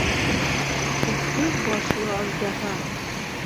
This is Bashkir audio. Утыҙ башлы аждаһа!